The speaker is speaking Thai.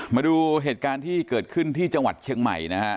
มาดูเหตุการณ์ที่เกิดขึ้นที่จังหวัดเชียงใหม่นะฮะ